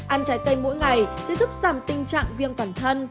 ăn trái cây mỗi ngày sẽ giúp giảm tình trạng viêm bản thân